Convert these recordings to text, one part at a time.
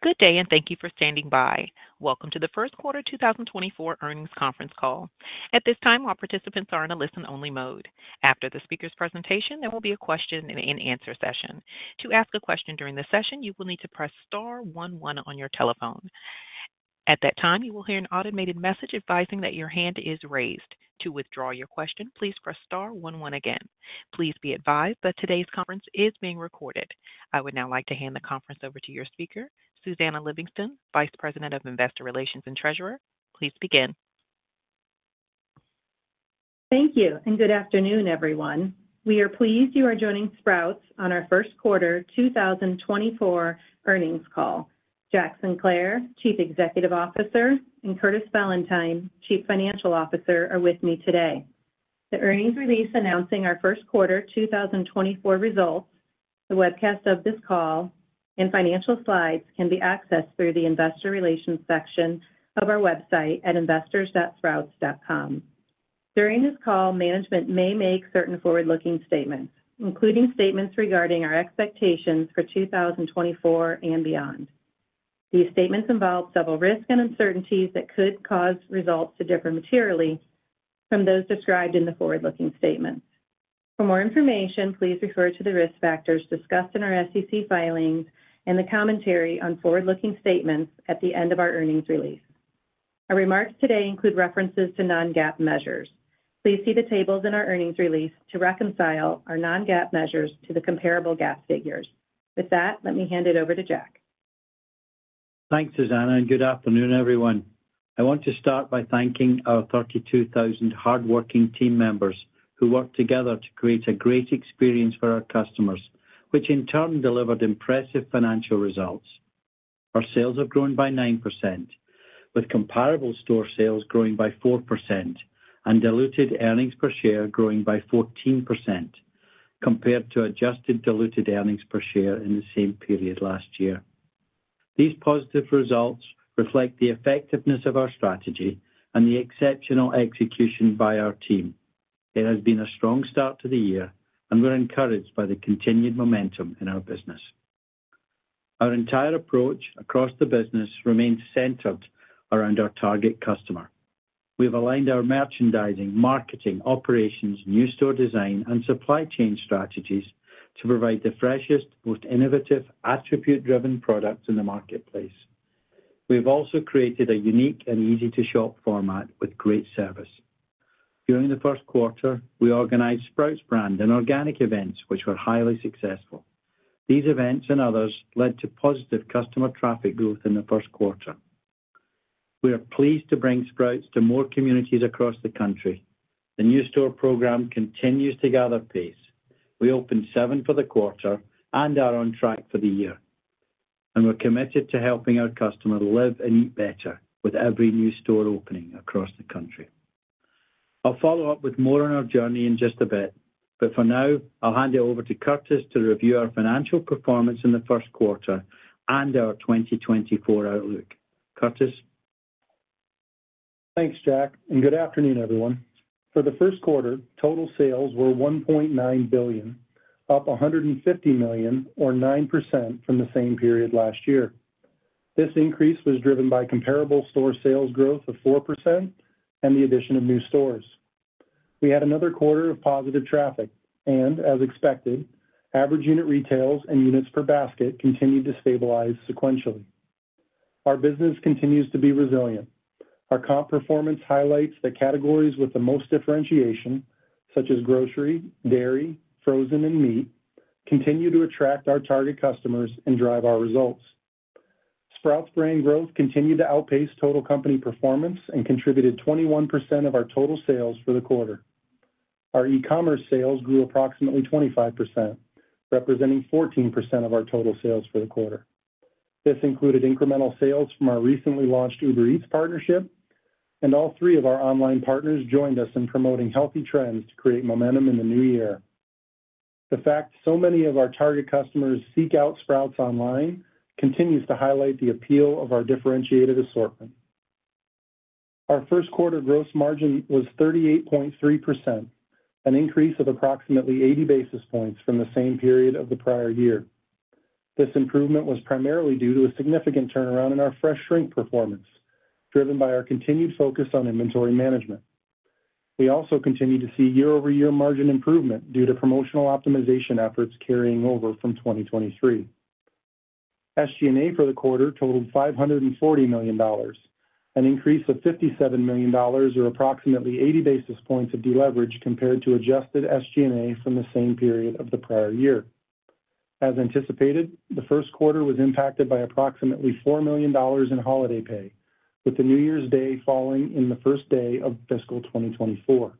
Good day, and thank you for standing by. Welcome to the first quarter 2024 earnings conference call. At this time, all participants are in a listen-only mode. After the speaker's presentation, there will be a question and answer session. To ask a question during the session, you will need to press star one one on your telephone. At that time, you will hear an automated message advising that your hand is raised. To withdraw your question, please press star one one again. Please be advised that today's conference is being recorded. I would now like to hand the conference over to your speaker, Susannah Livingston, Vice President of Investor Relations and Treasurer. Please begin. Thank you, and good afternoon, everyone. We are pleased you are joining Sprouts on our first quarter 2024 earnings call. Jack Sinclair, Chief Executive Officer, and Curtis Valentine, Chief Financial Officer, are with me today. The earnings release announcing our first quarter 2024 results, the webcast of this call, and financial slides can be accessed through the investor relations section of our website at investors.sprouts.com. During this call, management may make certain forward-looking statements, including statements regarding our expectations for 2024 and beyond. These statements involve several risks and uncertainties that could cause results to differ materially from those described in the forward-looking statements. For more information, please refer to the risk factors discussed in our SEC filings and the commentary on forward-looking statements at the end of our earnings release. Our remarks today include references to non-GAAP measures. Please see the tables in our earnings release to reconcile our non-GAAP measures to the comparable GAAP figures. With that, let me hand it over to Jack. Thanks, Susannah, and good afternoon, everyone. I want to start by thanking our 32,000 hardworking team members who work together to create a great experience for our customers, which in turn delivered impressive financial results. Our sales have grown by 9%, with comparable store sales growing by 4% and diluted earnings per share growing by 14% compared to adjusted diluted earnings per share in the same period last year. These positive results reflect the effectiveness of our strategy and the exceptional execution by our team. It has been a strong start to the year, and we're encouraged by the continued momentum in our business. Our entire approach across the business remains centered around our target customer. We've aligned our merchandising, marketing, operations, new store design, and supply chain strategies to provide the freshest, most innovative, attribute-driven products in the marketplace. We've also created a unique and easy-to-shop format with great service. During the first quarter, we organized Sprouts Brand and organic events, which were highly successful. These events and others led to positive customer traffic growth in the first quarter. We are pleased to bring Sprouts to more communities across the country. The new store program continues to gather pace. We opened seven for the quarter and are on track for the year, and we're committed to helping our customers live and eat better with every new store opening across the country. I'll follow up with more on our journey in just a bit, but for now, I'll hand it over to Curtis to review our financial performance in the first quarter and our 2024 outlook. Curtis? Thanks, Jack, and good afternoon, everyone. For the first quarter, total sales were $1.9 billion, up $150 million or 9% from the same period last year. This increase was driven by comparable store sales growth of 4% and the addition of new stores. We had another quarter of positive traffic, and as expected, average unit retail and units per basket continued to stabilize sequentially. Our business continues to be resilient. Our comp performance highlights the categories with the most differentiation, such as grocery, dairy, frozen, and meat, continue to attract our target customers and drive our results. Sprouts Brand growth continued to outpace total company performance and contributed 21% of our total sales for the quarter. Our e-commerce sales grew approximately 25%, representing 14% of our total sales for the quarter. This included incremental sales from our recently launched Uber Eats partnership, and all three of our online partners joined us in promoting healthy trends to create momentum in the new year. The fact so many of our target customers seek out Sprouts online continues to highlight the appeal of our differentiated assortment. Our first quarter gross margin was 38.3%, an increase of approximately 80 basis points from the same period of the prior year. This improvement was primarily due to a significant turnaround in our fresh shrink performance, driven by our continued focus on inventory management. We also continued to see year-over-year margin improvement due to promotional optimization efforts carrying over from 2023. SG&A for the quarter totaled $540 million, an increase of $57 million, or approximately 80 basis points of deleverage compared to adjusted SG&A from the same period of the prior year. As anticipated, the first quarter was impacted by approximately $4 million in holiday pay, with the New Year's Day falling in the first day of fiscal 2024.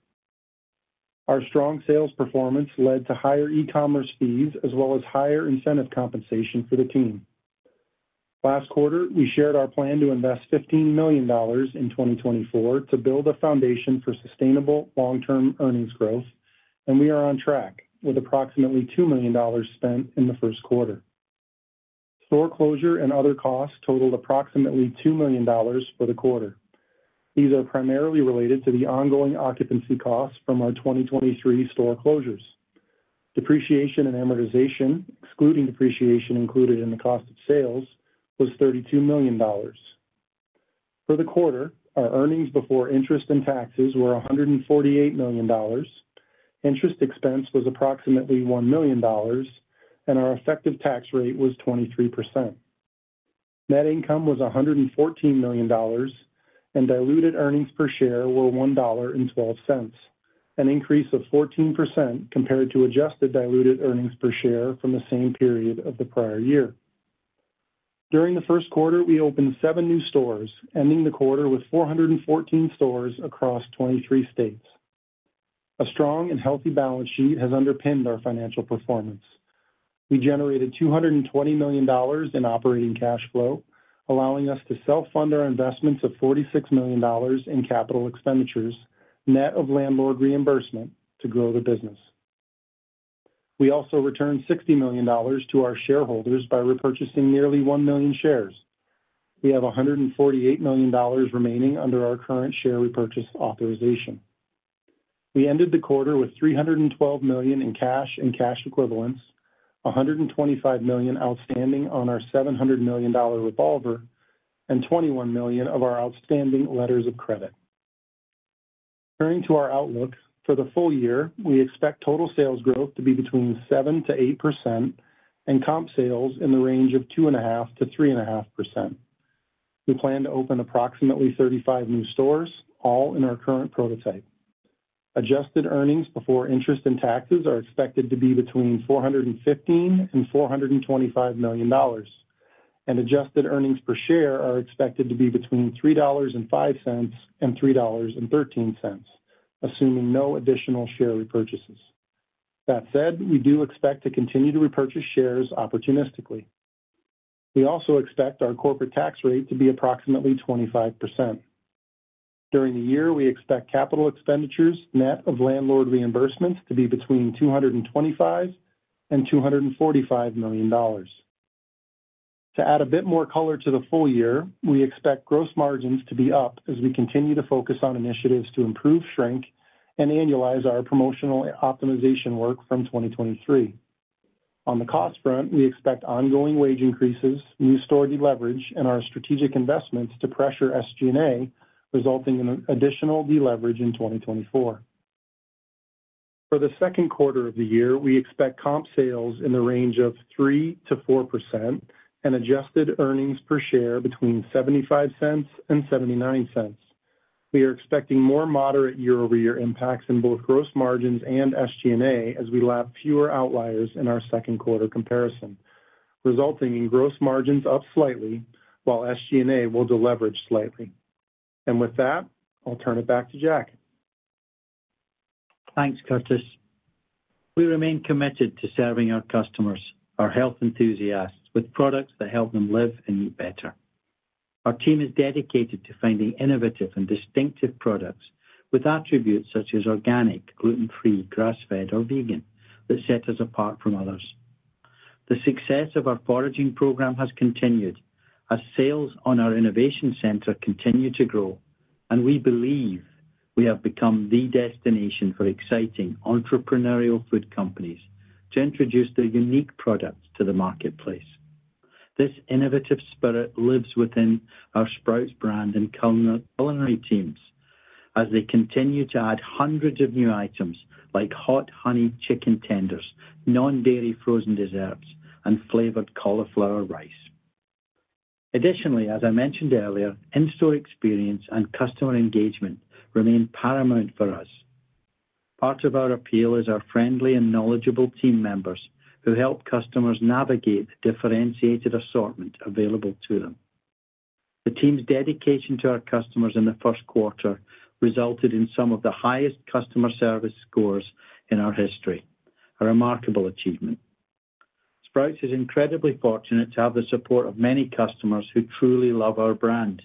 Our strong sales performance led to higher e-commerce fees, as well as higher incentive compensation for the team. Last quarter, we shared our plan to invest $15 million in 2024 to build a foundation for sustainable long-term earnings growth, and we are on track with approximately $2 million spent in the first quarter. Store closure and other costs totaled approximately $2 million for the quarter. These are primarily related to the ongoing occupancy costs from our 2023 store closures. Depreciation and amortization, excluding depreciation included in the cost of sales, was $32 million. For the quarter, our earnings before interest and taxes were $148 million. Interest expense was approximately $1 million, and our effective tax rate was 23%. Net income was $114 million, and diluted earnings per share were $1.12, an increase of 14% compared to adjusted diluted earnings per share from the same period of the prior year. During the first quarter, we opened 7 new stores, ending the quarter with 414 stores across 23 states. A strong and healthy balance sheet has underpinned our financial performance. We generated $220 million in operating cash flow, allowing us to self-fund our investments of $46 million in capital expenditures, net of landlord reimbursement to grow the business. We also returned $60 million to our shareholders by repurchasing nearly 1 million shares. We have $148 million remaining under our current share repurchase authorization. We ended the quarter with $312 million in cash and cash equivalents, $125 million outstanding on our $700 million revolver, and $21 million of our outstanding letters of credit. Turning to our outlook, for the full year, we expect total sales growth to be between 7%-8% and comp sales in the range of 2.5%-3.5%. We plan to open approximately 35 new stores, all in our current prototype. Adjusted earnings before interest and taxes are expected to be between $415 million and $425 million, and adjusted earnings per share are expected to be between $3.05 and $3.13, assuming no additional share repurchases. That said, we do expect to continue to repurchase shares opportunistically. We also expect our corporate tax rate to be approximately 25%. During the year, we expect capital expenditures, net of landlord reimbursements, to be between $225 million and $245 million. To add a bit more color to the full year, we expect gross margins to be up as we continue to focus on initiatives to improve, shrink, and annualize our promotional optimization work from 2023. On the cost front, we expect ongoing wage increases, new store deleverage, and our strategic investments to pressure SG&A, resulting in additional deleverage in 2024. For the second quarter of the year, we expect comp sales in the range of 3%-4% and adjusted earnings per share between $0.75 and $0.79. We are expecting more moderate year-over-year impacts in both gross margins and SG&A as we lap fewer outliers in our second quarter comparison, resulting in gross margins up slightly, while SG&A will deleverage slightly. And with that, I'll turn it back to Jack. Thanks, Curtis. We remain committed to serving our customers, our health enthusiasts, with products that help them live and eat better. Our team is dedicated to finding innovative and distinctive products with attributes such as organic, gluten-free, grass-fed, or vegan that set us apart from others. The success of our foraging program has continued as sales on our Innovation Center continue to grow, and we believe we have become the destination for exciting entrepreneurial food companies to introduce their unique products to the marketplace. This innovative spirit lives within our Sprouts brand and culinary teams as they continue to add hundreds of new items like hot honey chicken tenders, non-dairy frozen desserts, and flavored cauliflower rice. Additionally, as I mentioned earlier, in-store experience and customer engagement remain paramount for us. Part of our appeal is our friendly and knowledgeable team members, who help customers navigate the differentiated assortment available to them. The team's dedication to our customers in the first quarter resulted in some of the highest customer service scores in our history, a remarkable achievement. Sprouts is incredibly fortunate to have the support of many customers who truly love our brand.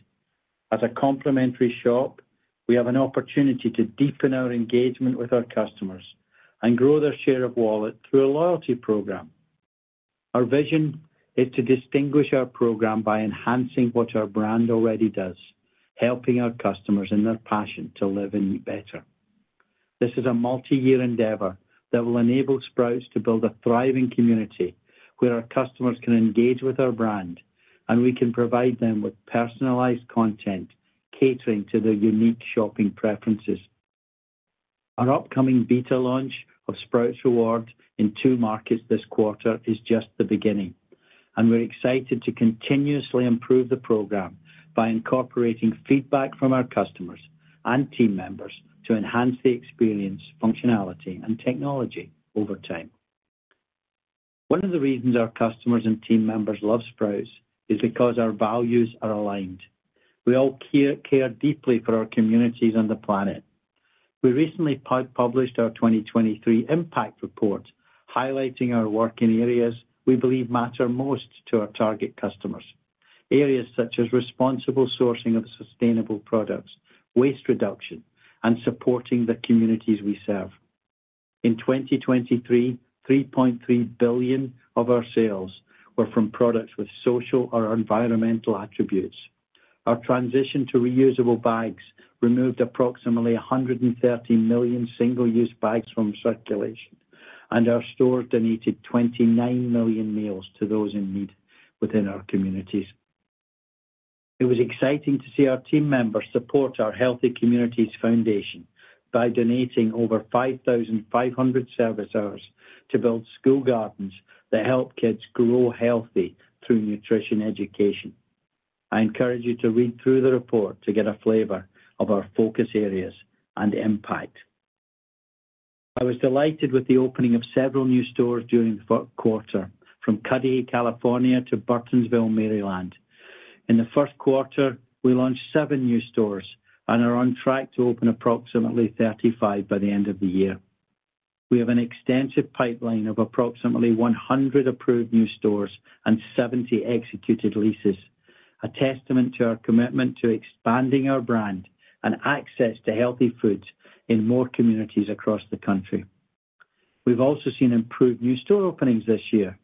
As a complimentary shop, we have an opportunity to deepen our engagement with our customers and grow their share of wallet through a loyalty program. Our vision is to distinguish our program by enhancing what our brand already does, helping our customers in their passion to live and eat better. This is a multi-year endeavor that will enable Sprouts to build a thriving community where our customers can engage with our brand, and we can provide them with personalized content, catering to their unique shopping preferences. Our upcoming beta launch of Sprouts Rewards in two markets this quarter is just the beginning, and we're excited to continuously improve the program by incorporating feedback from our customers and team members to enhance the experience, functionality, and technology over time. One of the reasons our customers and team members love Sprouts is because our values are aligned. We all care, care deeply for our communities and the planet. We recently published our 2023 Impact Report, highlighting our work in areas we believe matter most to our target customers. Areas such as responsible sourcing of sustainable products, waste reduction, and supporting the communities we serve. In 2023, $3.3 billion of our sales were from products with social or environmental attributes. Our transition to reusable bags removed approximately 130 million single-use bags from circulation, and our store donated 29 million meals to those in need within our communities. It was exciting to see our team members support our Healthy Communities Foundation by donating over 5,500 service hours to build school gardens that help kids grow healthy through nutrition education. I encourage you to read through the report to get a flavor of our focus areas and impact. I was delighted with the opening of several new stores during the first quarter, from Cudahy, California, to Burtonsville, Maryland. In the first quarter, we launched 7 new stores and are on track to open approximately 35 by the end of the year. We have an extensive pipeline of approximately 100 approved new stores and 70 executed leases, a testament to our commitment to expanding our brand and access to healthy foods in more communities across the country. We've also seen improved new store openings this year,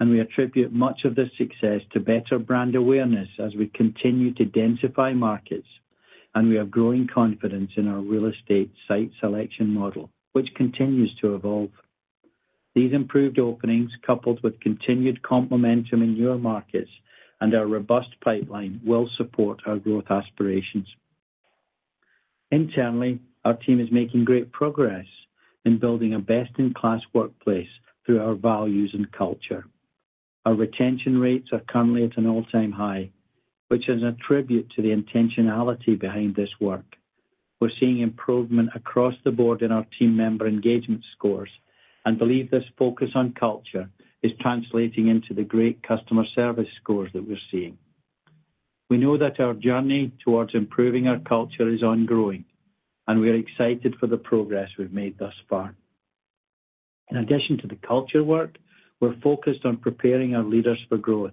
and we attribute much of this success to better brand awareness as we continue to densify markets, and we have growing confidence in our real estate site selection model, which continues to evolve. These improved openings, coupled with continued comp momentum in newer markets and our robust pipeline, will support our growth aspirations. Internally, our team is making great progress in building a best-in-class workplace through our values and culture. Our retention rates are currently at an all-time high, which is an attribute to the intentionality behind this work. We're seeing improvement across the board in our team member engagement scores and believe this focus on culture is translating into the great customer service scores that we're seeing. We know that our journey towards improving our culture is ongoing, and we are excited for the progress we've made thus far. In addition to the culture work, we're focused on preparing our leaders for growth.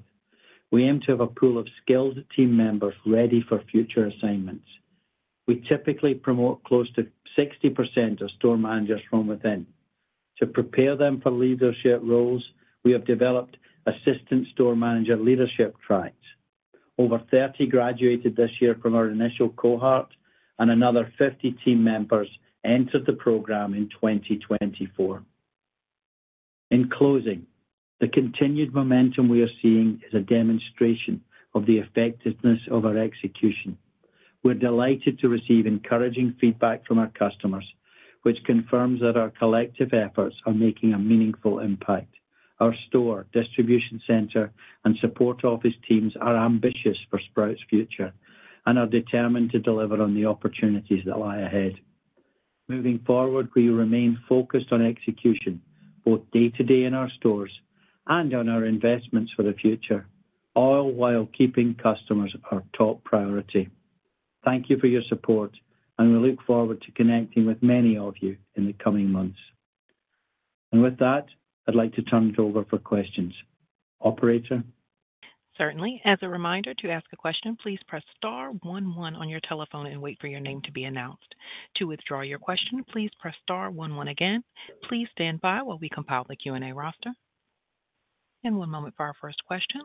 We aim to have a pool of skilled team members ready for future assignments. We typically promote close to 60% of store managers from within. To prepare them for leadership roles, we have developed assistant store manager leadership tracks. Over 30 graduated this year from our initial cohort, and another 50 team members entered the program in 2024. In closing, the continued momentum we are seeing is a demonstration of the effectiveness of our execution. We're delighted to receive encouraging feedback from our customers, which confirms that our collective efforts are making a meaningful impact. Our store, distribution center, and support office teams are ambitious for Sprouts' future and are determined to deliver on the opportunities that lie ahead. Moving forward, we remain focused on execution, both day-to-day in our stores and on our investments for the future, all while keeping customers our top priority. Thank you for your support, and we look forward to connecting with many of you in the coming months. With that, I'd like to turn it over for questions. Operator? Certainly. As a reminder, to ask a question, please press star one one on your telephone and wait for your name to be announced. To withdraw your question, please press star one one again. Please stand by while we compile the Q&A roster. One moment for our first question.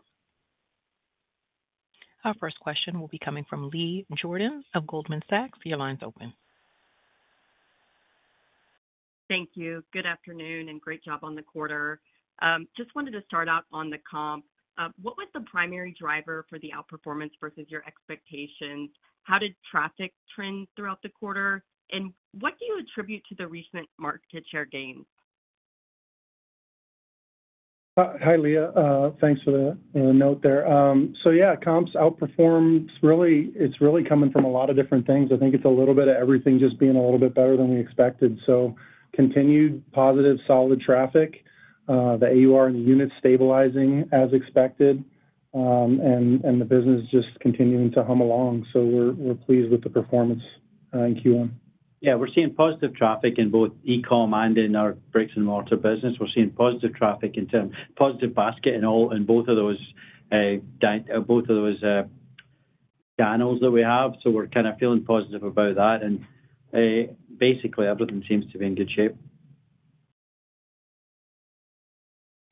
Our first question will be coming from Leah Jordan of Goldman Sachs. Your line's open. Thank you. Good afternoon, and great job on the quarter. Just wanted to start out on the comp. What was the primary driver for the outperformance versus your expectations? How did traffic trend throughout the quarter, and what do you attribute to the recent market share gains? Hi, Leah. Thanks for the note there. So yeah, comps outperformed. Really, it's really coming from a lot of different things. I think it's a little bit of everything just being a little bit better than we expected. So continued positive, solid traffic, the AUR and the unit stabilizing as expected, and the business just continuing to hum along. So we're pleased with the performance in Q1. Yeah, we're seeing positive traffic in both e-com and in our brick-and-mortar business. We're seeing positive traffic in terms, positive basket and all in both of those channels that we have, so we're kind of feeling positive about that. Basically, everything seems to be in good shape.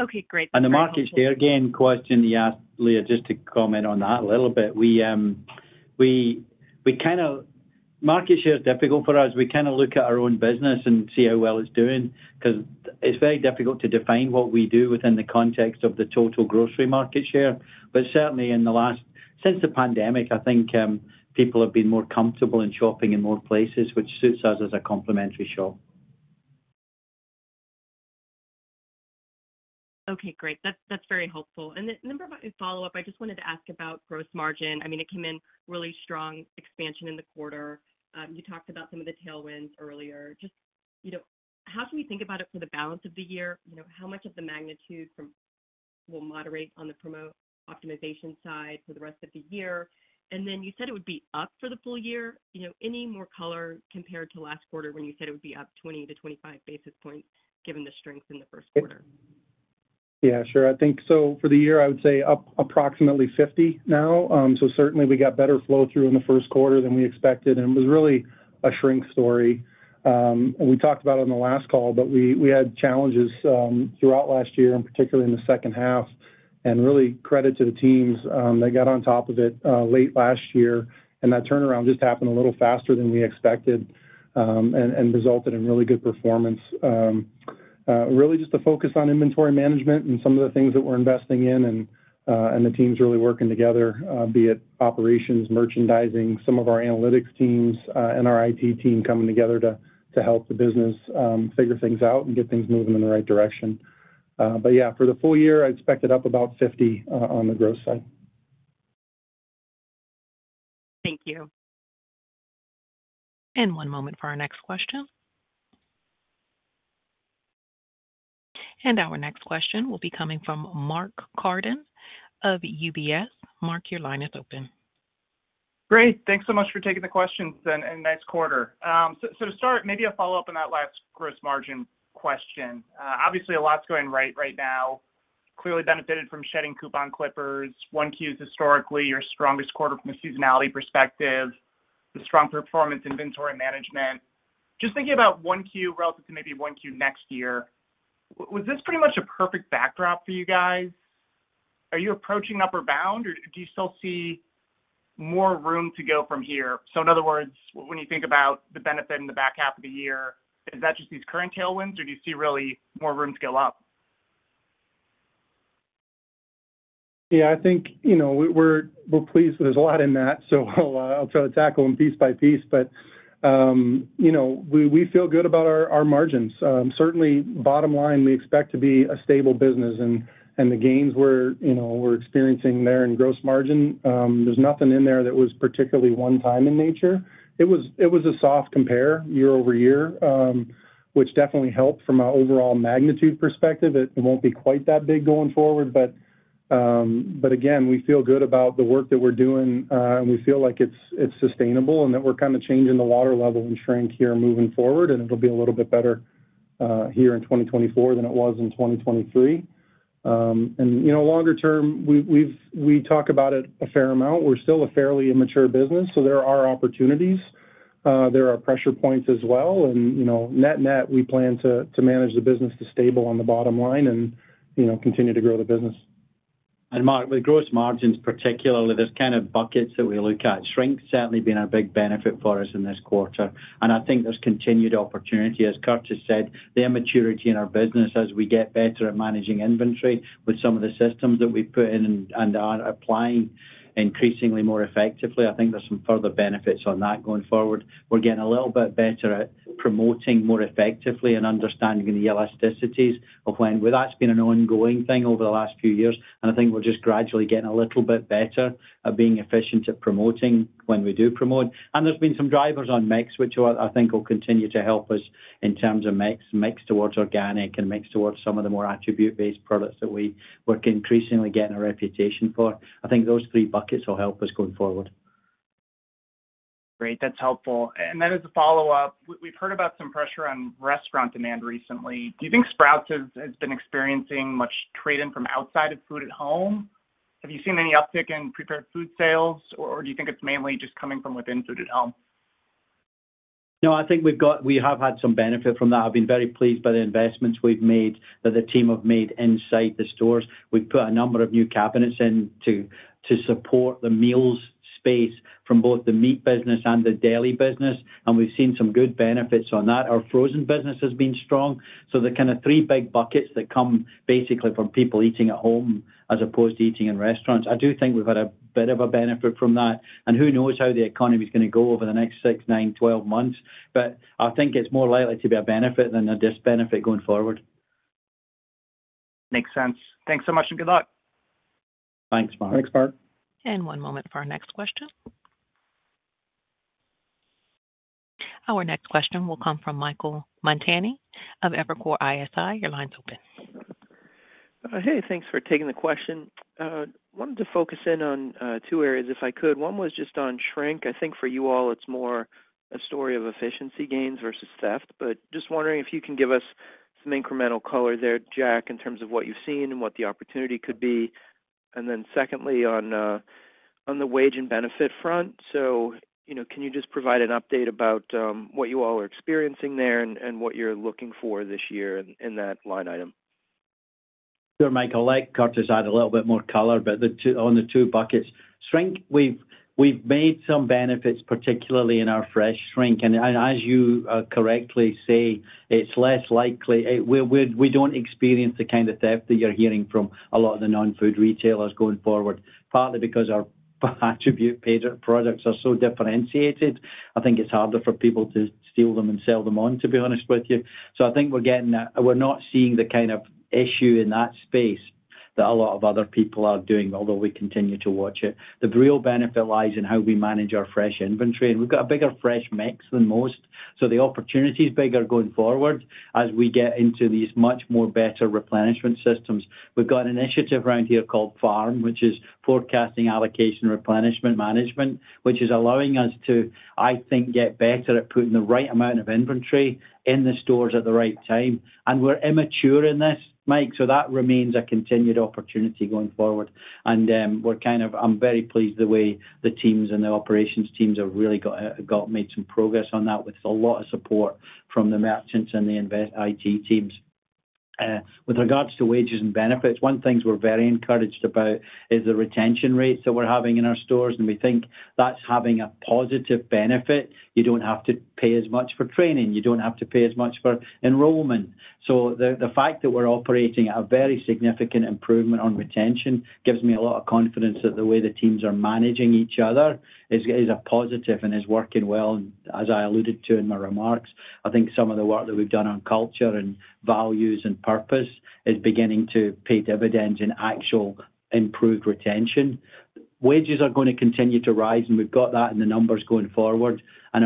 Okay, great. The market share gain question you asked, Leah, just to comment on that a little bit. Market share is difficult for us. We kind of look at our own business and see how well it's doing, because it's very difficult to define what we do within the context of the total grocery market share. But certainly, since the pandemic, I think, people have been more comfortable in shopping in more places, which suits us as a complementary shop. Okay, great. That's, that's very helpful. And then a number of follow-up, I just wanted to ask about gross margin. I mean, it came in really strong expansion in the quarter. You talked about some of the tailwinds earlier. Just, you know, how can we think about it for the balance of the year? You know, how much of the magnitude from will moderate on the promo optimization side for the rest of the year? And then you said it would be up for the full year. You know, any more color compared to last quarter when you said it would be up 20-25 basis points, given the strength in the first quarter?... Yeah, sure. I think so for the year, I would say up approximately 50 now. So certainly we got better flow through in the first quarter than we expected, and it was really a shrink story. And we talked about on the last call, but we had challenges throughout last year, and particularly in the second half. And really credit to the teams, they got on top of it late last year, and that turnaround just happened a little faster than we expected, and resulted in really good performance. Really just a focus on inventory management and some of the things that we're investing in, and, and the teams really working together, be it operations, merchandising, some of our analytics teams, and our IT team coming together to help the business figure things out and get things moving in the right direction. But yeah, for the full year, I expect it up about 50 on the growth side. Thank you. One moment for our next question. Our next question will be coming from Mark Carden of UBS. Mark, your line is open. Great. Thanks so much for taking the questions and nice quarter. So to start, maybe a follow-up on that last gross margin question. Obviously, a lot's going right right now. Clearly benefited from shedding coupon clippers. 1Q is historically your strongest quarter from a seasonality perspective, the strong performance inventory management. Just thinking about 1Q relative to maybe 1Q next year, was this pretty much a perfect backdrop for you guys? Are you approaching upper bound, or do you still see more room to go from here? So in other words, when you think about the benefit in the back half of the year, is that just these current tailwinds, or do you see really more room to go up? Yeah, I think, you know, we're, we're pleased. There's a lot in that, so I'll try to tackle them piece by piece. But, you know, we, we feel good about our, our margins. Certainly, bottom line, we expect to be a stable business, and the gains we're, you know, we're experiencing there in gross margin, there's nothing in there that was particularly one time in nature. It was a soft compare year-over-year, which definitely helped from an overall magnitude perspective. It won't be quite that big going forward, but, but again, we feel good about the work that we're doing, and we feel like it's sustainable and that we're kind of changing the water level and shrink here moving forward, and it'll be a little bit better here in 2024 than it was in 2023. And, you know, longer term, we talk about it a fair amount. We're still a fairly immature business, so there are opportunities. There are pressure points as well, and, you know, net-net, we plan to manage the business to stable on the bottom line and, you know, continue to grow the business. Mark, with gross margins, particularly, there's kind of buckets that we look at. Shrink's certainly been a big benefit for us in this quarter, and I think there's continued opportunity. As Curt has said, the immaturity in our business as we get better at managing inventory with some of the systems that we've put in and are applying increasingly more effectively, I think there's some further benefits on that going forward. We're getting a little bit better at promoting more effectively and understanding the elasticities of when... Well, that's been an ongoing thing over the last few years, and I think we're just gradually getting a little bit better at being efficient at promoting when we do promote. There's been some drivers on mix, which I, I think will continue to help us in terms of mix, mix towards organic and mix towards some of the more attribute-based products that we're increasingly getting a reputation for. I think those three buckets will help us going forward. Great, that's helpful. And then as a follow-up, we've heard about some pressure on restaurant demand recently. Do you think Sprouts has, has been experiencing much trade-in from outside of food at home? Have you seen any uptick in prepared food sales, or do you think it's mainly just coming from within food at home? No, I think we have had some benefit from that. I've been very pleased by the investments we've made, that the team have made inside the stores. We've put a number of new cabinets in to support the meals space from both the meat business and the deli business, and we've seen some good benefits on that. Our frozen business has been strong. So the kind of three big buckets that come basically from people eating at home as opposed to eating in restaurants, I do think we've had a bit of a benefit from that. And who knows how the economy is going to go over the next six, nine, twelve months, but I think it's more likely to be a benefit than a disbenefit going forward. Makes sense. Thanks so much, and good luck. Thanks, Mark. Thanks, Mark. One moment for our next question. Our next question will come from Michael Montani of Evercore ISI. Your line's open. Hey, thanks for taking the question. Wanted to focus in on two areas, if I could. One was just on shrink. I think for you all, it's more a story of efficiency gains versus theft. But just wondering if you can give us some incremental color there, Jack, in terms of what you've seen and what the opportunity could be. And then secondly, on the wage and benefit front. So, you know, can you just provide an update about what you all are experiencing there and what you're looking for this year in that line item? Sure, Michael. Let Curtis add a little bit more color, but the two on the two buckets. Shrink, we've made some benefits, particularly in our fresh shrink. And as you correctly say, it's less likely. We don't experience the kind of theft that you're hearing from a lot of the non-food retailers going forward, partly because our attribute-based products are so differentiated. I think it's harder for people to steal them and sell them on, to be honest with you. So I think we're getting that. We're not seeing the kind of issue in that space that a lot of other people are doing, although we continue to watch it. The real benefit lies in how we manage our fresh inventory, and we've got a bigger fresh mix than most, so the opportunity is bigger going forward as we get into these much more better replenishment systems. We've got an initiative around here called FARM, which is Forecasting Allocation Replenishment Management, which is allowing us to, I think, get better at putting the right amount of inventory in the stores at the right time. And we're immature in this, Mike, so that remains a continued opportunity going forward. And, we're kind of. I'm very pleased the way the teams and the operations teams have really got, got made some progress on that, with a lot of support from the merchants and the inventory IT teams.... With regards to wages and benefits, one things we're very encouraged about is the retention rates that we're having in our stores, and we think that's having a positive benefit. You don't have to pay as much for training, you don't have to pay as much for enrollment. So the fact that we're operating at a very significant improvement on retention gives me a lot of confidence that the way the teams are managing each other is a positive and is working well. As I alluded to in my remarks, I think some of the work that we've done on culture and values and purpose is beginning to pay dividends in actual improved retention. Wages are going to continue to rise, and we've got that in the numbers going forward. And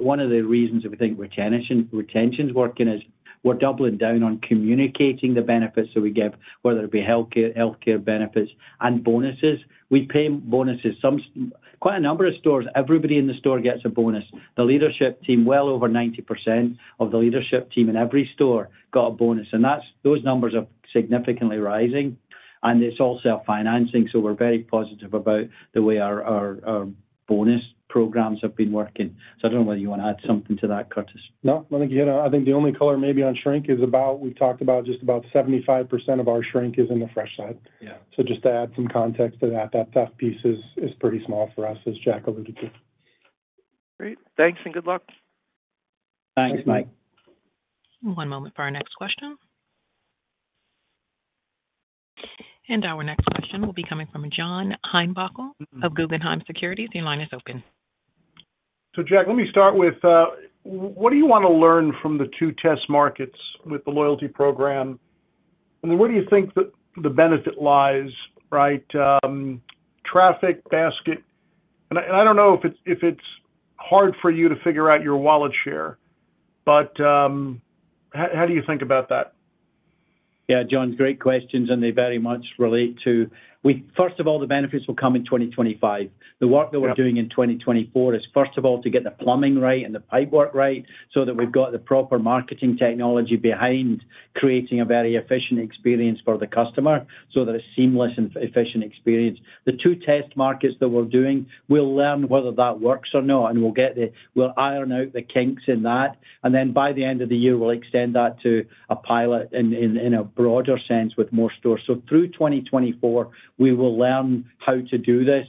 one of the reasons that we think retention, retention's working is we're doubling down on communicating the benefits that we give, whether it be healthcare, healthcare benefits and bonuses. We pay bonuses. Some quite a number of stores, everybody in the store gets a bonus. The leadership team, well over 90% of the leadership team in every store got a bonus, and that's, those numbers are significantly rising, and it's all self-financing, so we're very positive about the way our, our, our bonus programs have been working. So I don't know whether you want to add something to that, Curtis? No, let me get... I think the only color maybe on shrink is about, we've talked about just about 75% of our shrink is in the fresh side. Yeah. Just to add some context to that, that piece is pretty small for us, as Jack alluded to. Great. Thanks, and good luck. Thanks, Mike. Thanks. One moment for our next question. Our next question will be coming from John Heinbockel of Guggenheim Securities. Your line is open. So, Jack, let me start with what do you want to learn from the two test markets with the loyalty program? And where do you think that the benefit lies, right? Traffic, basket... And I don't know if it's hard for you to figure out your wallet share, but how do you think about that? Yeah, John, great questions, and they very much relate to... First of all, the benefits will come in 2025. Yeah. The work that we're doing in 2024 is, first of all, to get the plumbing right and the pipework right, so that we've got the proper marketing technology behind creating a very efficient experience for the customer, so that it's seamless and efficient experience. The two test markets that we're doing, we'll learn whether that works or not, and we'll iron out the kinks in that, and then by the end of the year, we'll extend that to a pilot in a broader sense, with more stores. So through 2024, we will learn how to do this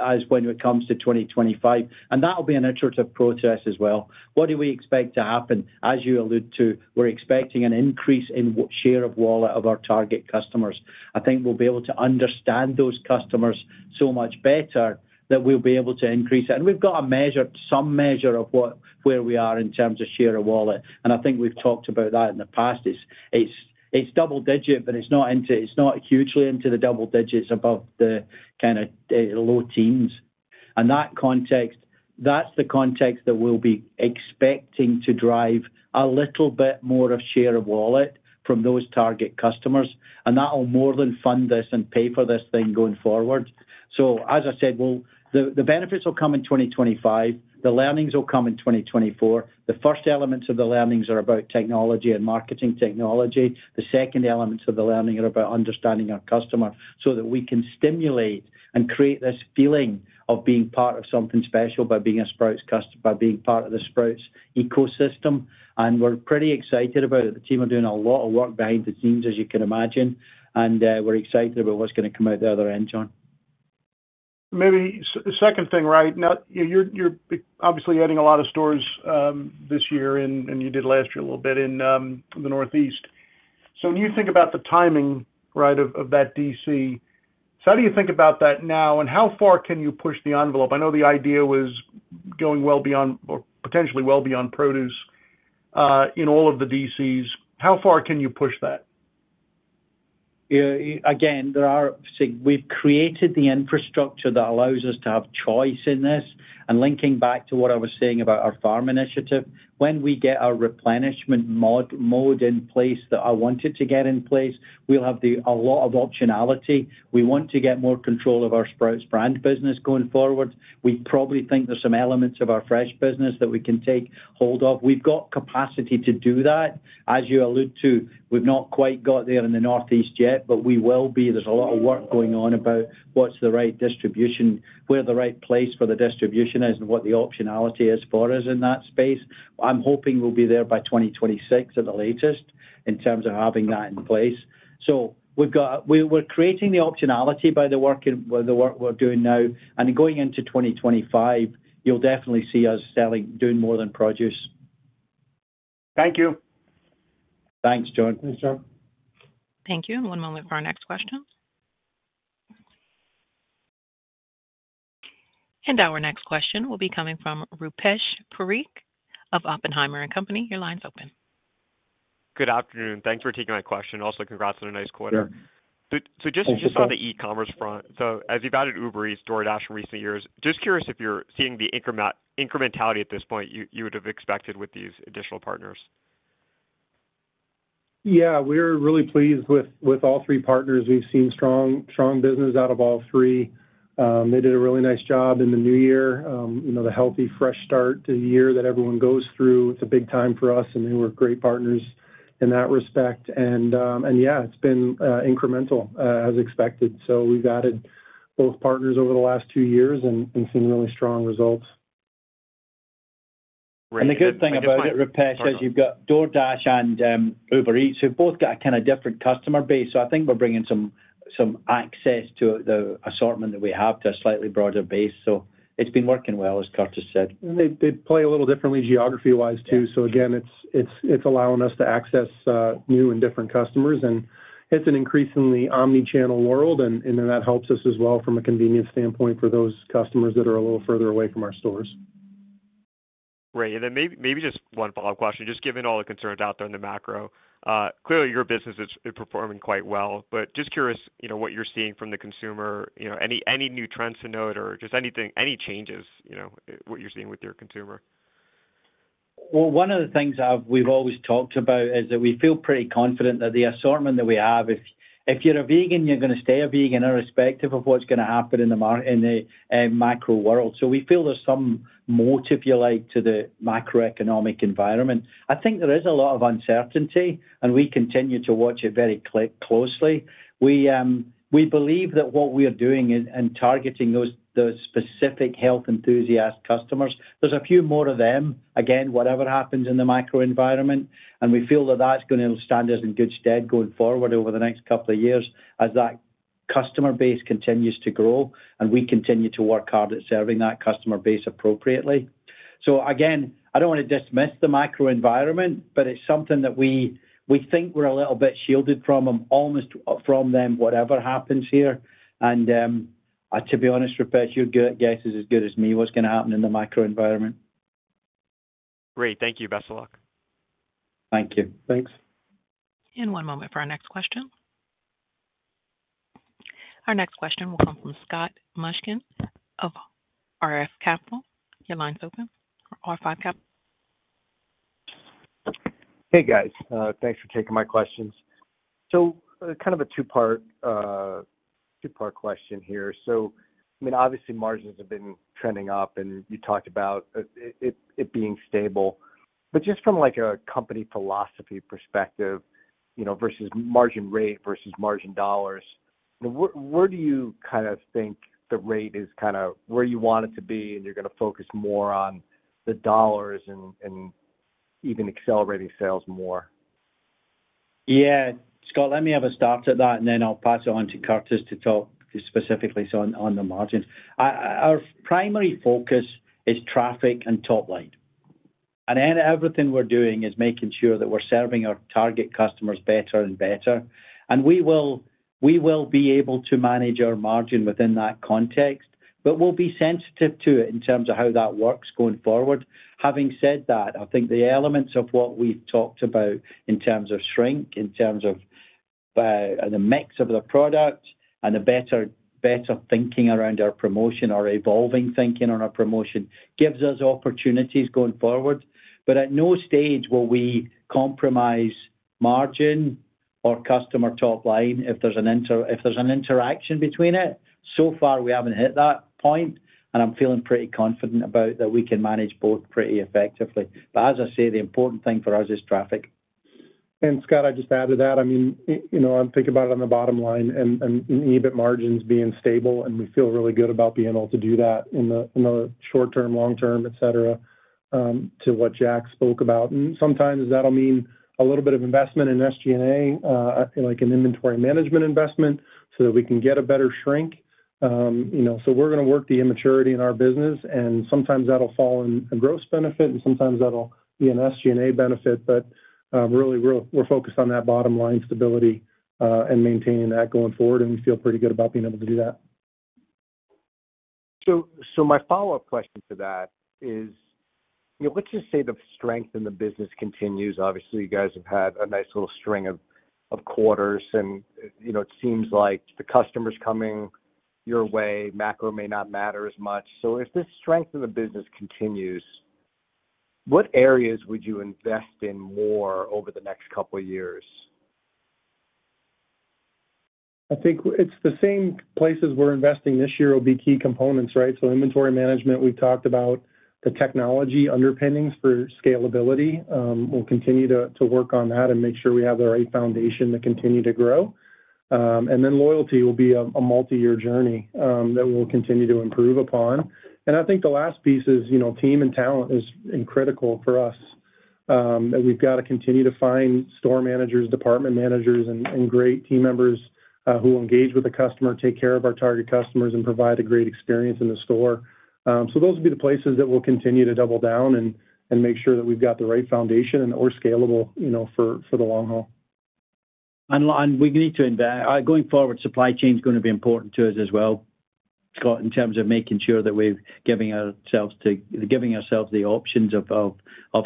as when it comes to 2025. And that'll be an iterative process as well. What do we expect to happen? As you allude to, we're expecting an increase in what share of wallet of our target customers. I think we'll be able to understand those customers so much better that we'll be able to increase it. We've got a measure, some measure of what, where we are in terms of share of wallet, and I think we've talked about that in the past. It's double-digit, but it's not into it. It's not hugely into the double digits, above the kind of low teens. That's the context that we'll be expecting to drive a little bit more of share of wallet from those target customers, and that'll more than fund this and pay for this thing going forward. So as I said, the benefits will come in 2025. The learnings will come in 2024. The first elements of the learnings are about technology and marketing technology. The second elements of the learning are about understanding our customer, so that we can stimulate and create this feeling of being part of something special by being a Sprouts customer, by being part of the Sprouts ecosystem. We're pretty excited about it. The team are doing a lot of work behind the scenes, as you can imagine, and we're excited about what's going to come out the other end, John. Maybe second thing, right? Now, you're obviously adding a lot of stores this year, and you did last year, a little bit in the Northeast. So when you think about the timing, right, of that DC, so how do you think about that now, and how far can you push the envelope? I know the idea was going well beyond or potentially well beyond produce in all of the DCs. How far can you push that? Yeah, again, there are, see, we've created the infrastructure that allows us to have choice in this, and linking back to what I was saying about our farm initiative, when we get our replenishment mode in place that I want it to get in place, we'll have a lot of optionality. We want to get more control of our Sprouts Brand business going forward. We probably think there's some elements of our fresh business that we can take hold of. We've got capacity to do that. As you allude to, we've not quite got there in the Northeast yet, but we will be. There's a lot of work going on about what's the right distribution, where the right place for the distribution is, and what the optionality is for us in that space. I'm hoping we'll be there by 2026 at the latest in terms of having that in place. So we're creating the optionality by the work we're doing now, and going into 2025, you'll definitely see us selling, doing more than produce. Thank you. Thanks, John. Thanks, John. Thank you. One moment for our next question. Our next question will be coming from Rupesh Parikh of Oppenheimer and Company. Your line's open. Good afternoon. Thanks for taking my question. Also, congrats on a nice quarter. Yeah. So just as you saw the e-commerce front, so as you've added Uber Eats, DoorDash in recent years, just curious if you're seeing the incrementality at this point, you would have expected with these additional partners? Yeah, we're really pleased with, with all three partners. We've seen strong, strong business out of all three. They did a really nice job in the new year. You know, the healthy, fresh start to the year that everyone goes through, it's a big time for us, and they were great partners in that respect. And yeah, it's been incremental, as expected. So we've added both partners over the last two years and seen really strong results.... The good thing about it, Rupesh, is you've got DoorDash and Uber Eats, who've both got a kind of different customer base. So I think we're bringing some access to the assortment that we have to a slightly broader base. So it's been working well, as Curtis said. And they play a little differently geography-wise, too. So again, it's allowing us to access new and different customers, and it's an increasingly omni-channel world, and then that helps us as well from a convenience standpoint for those customers that are a little further away from our stores. Great. Then maybe just one follow-up question. Just given all the concerns out there in the macro, clearly, your business is performing quite well. But just curious, you know, what you're seeing from the consumer, you know, any new trends to note or just anything, any changes, you know, what you're seeing with your consumer? Well, one of the things we've always talked about is that we feel pretty confident that the assortment that we have, if you're a vegan, you're gonna stay a vegan, irrespective of what's gonna happen in the macro world. So we feel there's some moat, if you like, to the macroeconomic environment. I think there is a lot of uncertainty, and we continue to watch it very closely. We believe that what we are doing in targeting those specific health enthusiast customers, there's a few more of them, again, whatever happens in the macro environment, and we feel that that's gonna stand us in good stead going forward over the next couple of years as that customer base continues to grow and we continue to work hard at serving that customer base appropriately. So again, I don't wanna dismiss the macro environment, but it's something that we think we're a little bit shielded from them, almost from them, whatever happens here. And, to be honest, Rupesh, your guess is as good as me, what's gonna happen in the macro environment. Great. Thank you. Best of luck. Thank you. Thanks. One moment for our next question. Our next question will come from Scott Mushkin of R5 Capital. Your line's open, R5 Capital. Hey, guys. Thanks for taking my questions. So kind of a two-part, two-part question here. So, I mean, obviously, margins have been trending up, and you talked about it being stable. But just from, like, a company philosophy perspective, you know, versus margin rate versus margin dollars, where do you kind of think the rate is kind of where you want it to be, and you're gonna focus more on the dollars and even accelerating sales more? Yeah, Scott, let me have a start at that, and then I'll pass it on to Curtis to talk specifically so on, on the margins. Our primary focus is traffic and top line. And everything we're doing is making sure that we're serving our target customers better and better. And we will, we will be able to manage our margin within that context, but we'll be sensitive to it in terms of how that works going forward. Having said that, I think the elements of what we've talked about in terms of shrink, in terms of, the mix of the product and the better thinking around our promotion or evolving thinking on our promotion, gives us opportunities going forward. But at no stage will we compromise margin or customer top line if there's an interaction between it. So far, we haven't hit that point, and I'm feeling pretty confident about that we can manage both pretty effectively. But as I say, the important thing for us is traffic. And Scott, I'd just add to that, I mean, you know, I'm thinking about it on the bottom line and EBIT margins being stable, and we feel really good about being able to do that in the short term, long term, et cetera, to what Jack spoke about. And sometimes that'll mean a little bit of investment in SG&A, like an inventory management investment, so that we can get a better shrink. You know, so we're gonna work the immaturity in our business, and sometimes that'll fall in a gross benefit, and sometimes that'll be an SG&A benefit. But really, we're focused on that bottom line stability, and maintaining that going forward, and we feel pretty good about being able to do that. So, my follow-up question to that is, you know, let's just say the strength in the business continues. Obviously, you guys have had a nice little string of quarters and, you know, it seems like the customer's coming your way. Macro may not matter as much. So if this strength in the business continues, what areas would you invest in more over the next couple of years? I think it's the same places we're investing this year will be key components, right? So inventory management, we've talked about the technology underpinnings for scalability. We'll continue to work on that and make sure we have the right foundation to continue to grow. And then loyalty will be a multi-year journey that we'll continue to improve upon. And I think the last piece is, you know, team and talent is and critical for us, and we've got to continue to find store managers, department managers and great team members who engage with the customer, take care of our target customers, and provide a great experience in the store. So those will be the places that we'll continue to double down and make sure that we've got the right foundation and we're scalable, you know, for the long haul. We need to invest going forward. Supply chain's gonna be important to us as well, Scott, in terms of making sure that we're giving ourselves the options of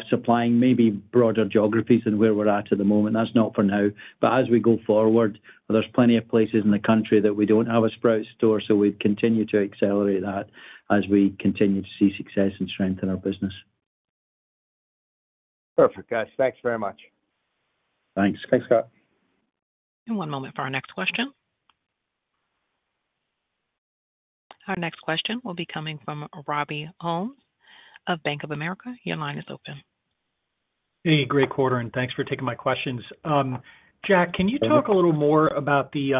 supplying maybe broader geographies than where we're at at the moment. That's not for now. But as we go forward, there's plenty of places in the country that we don't have a Sprouts store, so we'd continue to accelerate that as we continue to see success and strengthen our business. Perfect, guys. Thanks very much. Thanks. Thanks, Scott. One moment for our next question. Our next question will be coming from Robert Ohmes of Bank of America. Your line is open.... Hey, great quarter, and thanks for taking my questions. Jack, can you talk a little more about the,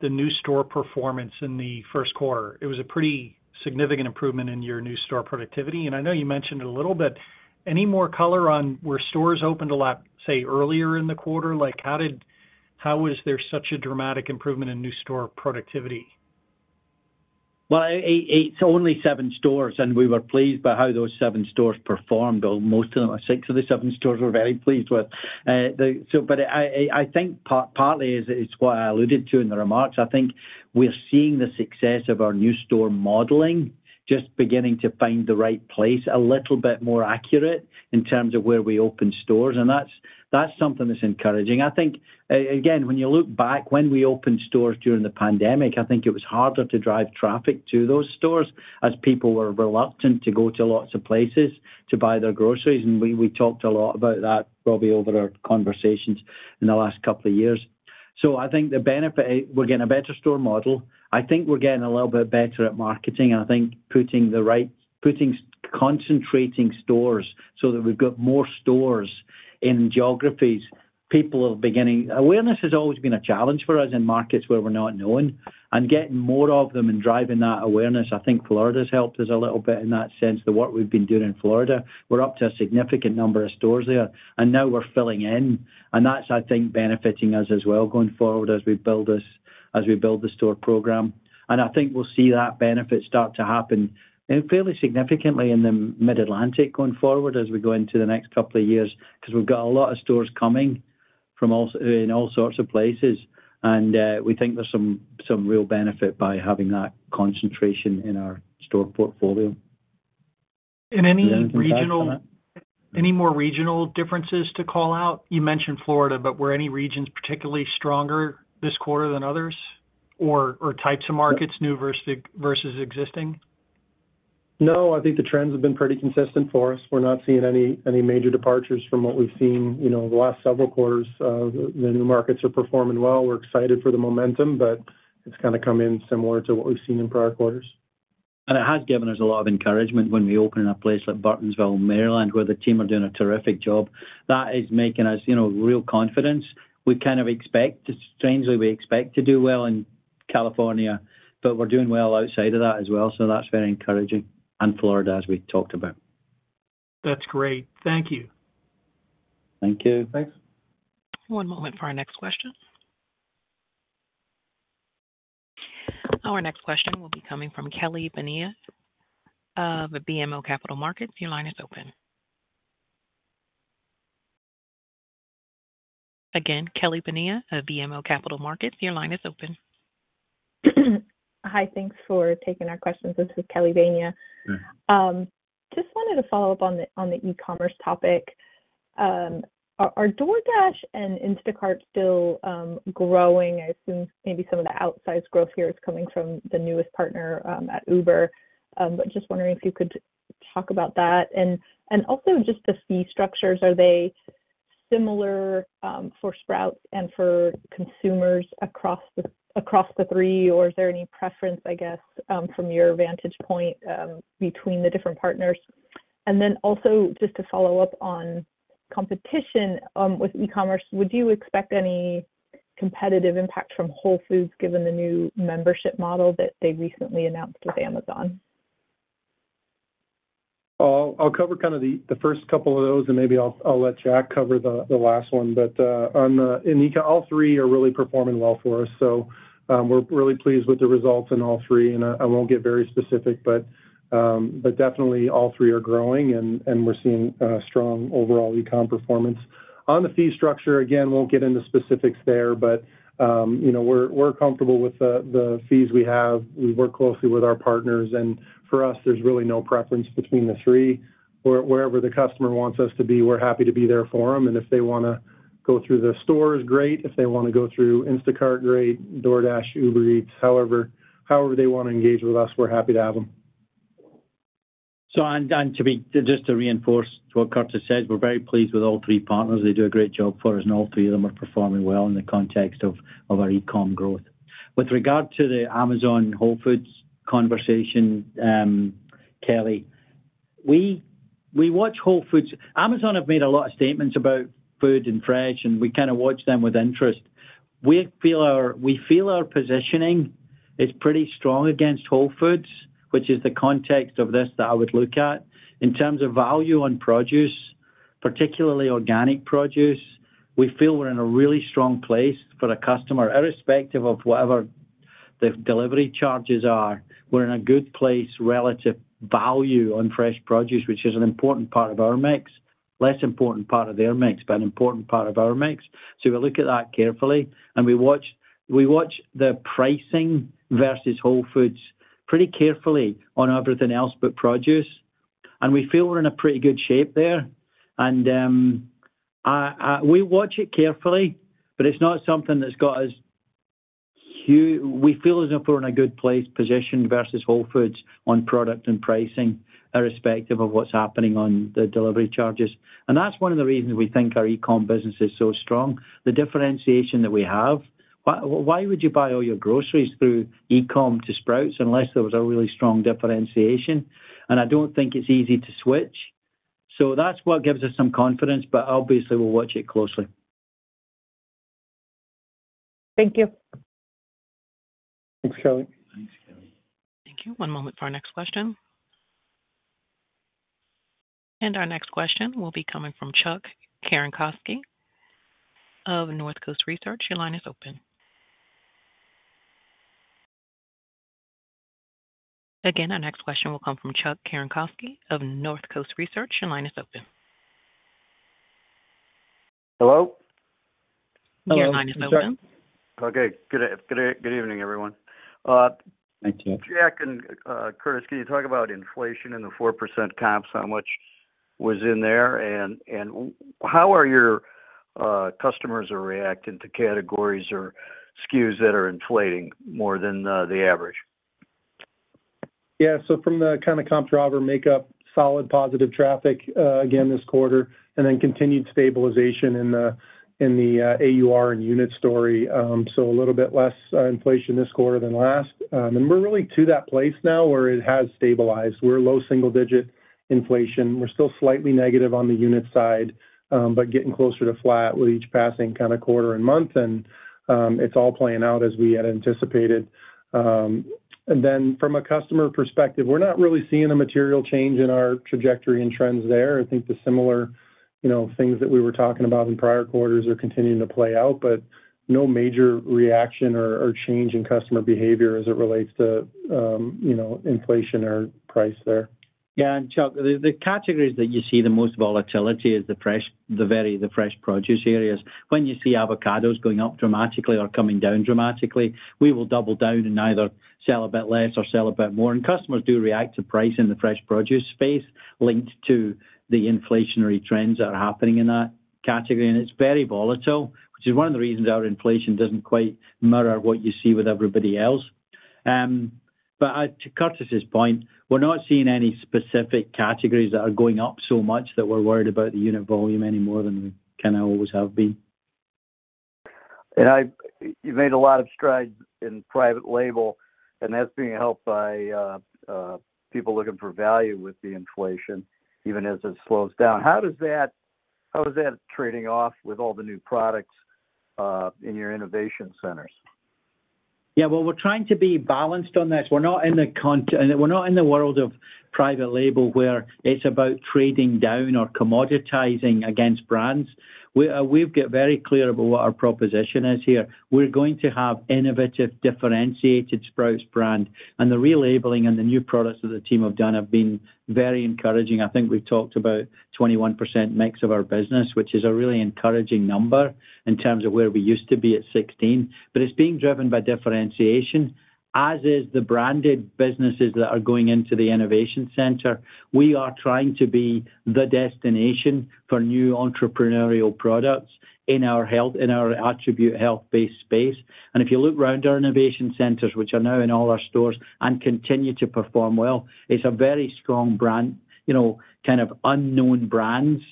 the new store performance in the first quarter? It was a pretty significant improvement in your new store productivity, and I know you mentioned it a little, but any more color on whether stores opened a lot, say, earlier in the quarter? Like, how was there such a dramatic improvement in new store productivity? Well, it's only seven stores, and we were pleased by how those seven stores performed, or most of them, six of the seven stores we're very pleased with. But I think partly is what I alluded to in the remarks. I think we're seeing the success of our new store modeling, just beginning to find the right place, a little bit more accurate in terms of where we open stores, and that's something that's encouraging. I think again, when you look back, when we opened stores during the pandemic, I think it was harder to drive traffic to those stores as people were reluctant to go to lots of places to buy their groceries. And we talked a lot about that, probably over our conversations in the last couple of years. So I think the benefit, we're getting a better store model. I think we're getting a little bit better at marketing, and I think putting, concentrating stores so that we've got more stores in geographies, people are beginning. Awareness has always been a challenge for us in markets where we're not known, and getting more of them and driving that awareness, I think Florida's helped us a little bit in that sense. The work we've been doing in Florida, we're up to a significant number of stores there, and now we're filling in, and that's, I think, benefiting us as well going forward as we build this, as we build the store program. I think we'll see that benefit start to happen, and fairly significantly in the Mid-Atlantic, going forward, as we go into the next couple of years, 'cause we've got a lot of stores coming from all, in all sorts of places. We think there's some real benefit by having that concentration in our store portfolio. Any regional- Is there anything to add to that? Any more regional differences to call out? You mentioned Florida, but were any regions particularly stronger this quarter than others, or types of markets, new versus existing? No, I think the trends have been pretty consistent for us. We're not seeing any major departures from what we've seen, you know, the last several quarters. The new markets are performing well. We're excited for the momentum, but it's kind of come in similar to what we've seen in prior quarters. It has given us a lot of encouragement when we open in a place like Burtonsville, Maryland, where the team are doing a terrific job. That is making us, you know, real confidence. We kind of expect, strangely, we expect to do well in California, but we're doing well outside of that as well, so that's very encouraging, and Florida, as we talked about. That's great. Thank you. Thank you. Thanks. One moment for our next question. Our next question will be coming from Kelly Bania of BMO Capital Markets. Your line is open. Again, Kelly Bania of BMO Capital Markets, your line is open. Hi, thanks for taking our questions. This is Kelly Bania. Just wanted to follow up on the e-commerce topic. Are DoorDash and Instacart still growing? I assume maybe some of the outsized growth here is coming from the newest partner at Uber. But just wondering if you could talk about that. And also just the fee structures, are they similar for Sprouts and for consumers across the three, or is there any preference, I guess, from your vantage point between the different partners? And then also, just to follow up on competition with e-commerce, would you expect any competitive impact from Whole Foods, given the new membership model that they recently announced with Amazon? I'll cover kind of the first couple of those, and maybe I'll let Jack cover the last one. But on e-com, all three are really performing well for us, so we're really pleased with the results in all three, and I won't get very specific, but definitely all three are growing and we're seeing strong overall e-com performance. On the fee structure, again, won't get into specifics there, but you know, we're comfortable with the fees we have. We work closely with our partners, and for us, there's really no preference between the three. Wherever the customer wants us to be, we're happy to be there for them, and if they wanna go through the store, is great. If they wanna go through Instacart, great, DoorDash, Uber Eats, however they wanna engage with us, we're happy to have them. Just to reinforce what Curtis said, we're very pleased with all three partners. They do a great job for us, and all three of them are performing well in the context of our e-com growth. With regard to the Amazon-Whole Foods conversation, Kelly, we watch Whole Foods. Amazon have made a lot of statements about food and fresh, and we kind of watch them with interest. We feel our positioning is pretty strong against Whole Foods, which is the context of this that I would look at. In terms of value on produce, particularly organic produce, we feel we're in a really strong place for the customer. Irrespective of whatever the delivery charges are, we're in a good place, relative value on fresh produce, which is an important part of our mix. Less important part of their mix, but an important part of our mix. So we look at that carefully, and we watch, we watch the pricing versus Whole Foods pretty carefully on everything else but produce, and we feel we're in a pretty good shape there. And we watch it carefully, but it's not something that's got us. We feel as if we're in a good place, position versus Whole Foods on product and pricing, irrespective of what's happening on the delivery charges. And that's one of the reasons we think our e-com business is so strong, the differentiation that we have. Why, why would you buy all your groceries through e-com to Sprouts unless there was a really strong differentiation? And I don't think it's easy to switch. So that's what gives us some confidence, but obviously we'll watch it closely.... Thank you. Thanks, Kelly. Thanks, Kelly. Thank you. One moment for our next question. Our next question will be coming from Chuck Cerankosky of North Coast Research. Your line is open. Again, our next question will come from Chuck Cerankosky of North Coast Research. Your line is open. Hello? Your line is open. Okay. Good evening, everyone. Thank you. Jack and Curtis, can you talk about inflation and the 4% comps, how much was in there? And how are your customers reacting to categories or SKUs that are inflating more than the average? Yeah, so from the kind of comp driver makeup, solid, positive traffic, again, this quarter, and then continued stabilization in the AUR and unit story. So a little bit less inflation this quarter than last. And we're really to that place now where it has stabilized. We're low single digit inflation. We're still slightly negative on the unit side, but getting closer to flat with each passing kind of quarter and month, and it's all playing out as we had anticipated. And then from a customer perspective, we're not really seeing a material change in our trajectory and trends there. I think the similar, you know, things that we were talking about in prior quarters are continuing to play out, but no major reaction or change in customer behavior as it relates to, you know, inflation or price there. Yeah, and Chuck, the categories that you see the most volatility is the fresh, very fresh produce areas. When you see avocados going up dramatically or coming down dramatically, we will double down and either sell a bit less or sell a bit more. And customers do react to price in the fresh produce space, linked to the inflationary trends that are happening in that category. And it's very volatile, which is one of the reasons our inflation doesn't quite mirror what you see with everybody else. But to Curtis's point, we're not seeing any specific categories that are going up so much that we're worried about the unit volume any more than we kind of always have been. And you've made a lot of strides in private label, and that's being helped by people looking for value with the inflation, even as it slows down. How does that, how is that trading off with all the new products in your innovation centers? Yeah, well, we're trying to be balanced on this. We're not in the world of private label, where it's about trading down or commoditizing against brands. We've got very clear about what our proposition is here. We're going to have innovative, differentiated Sprouts Brand, and the relabeling and the new products that the team have done have been very encouraging. I think we've talked about 21% mix of our business, which is a really encouraging number in terms of where we used to be at 16%. But it's being driven by differentiation, as is the branded businesses that are going into the innovation center. We are trying to be the destination for new entrepreneurial products in our health, in our attribute health-based space. If you look around our innovation centers, which are now in all our stores and continue to perform well, it's a very strong brand, you know, kind of unknown brands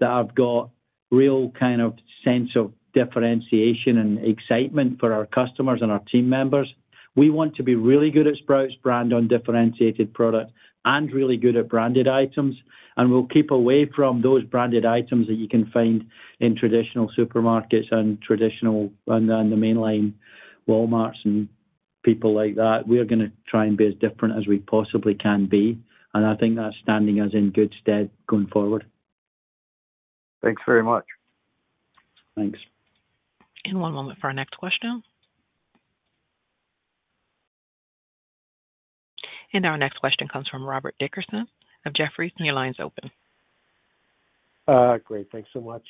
that have got real kind of sense of differentiation and excitement for our customers and our team members. We want to be really good at Sprouts Brand on differentiated product and really good at branded items, and we'll keep away from those branded items that you can find in traditional supermarkets and traditional and the mainline Walmarts and people like that. We are gonna try and be as different as we possibly can be, and I think that's standing us in good stead going forward. Thanks very much. Thanks. One moment for our next question. Our next question comes from Robert Dickerson of Jefferies. Your line is open. Great. Thanks so much.